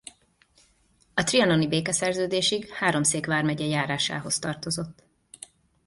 A trianoni békeszerződésig Háromszék vármegye járásához tartozott.